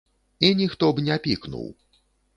І ніхто б не пікнуў.